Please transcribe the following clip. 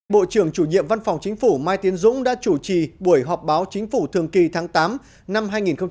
bộ trưởng chủ nhiệm văn phòng chính phủ mai tiến dũng đã chủ trì buổi họp báo chính phủ thường kỳ tháng tám năm hai nghìn hai mươi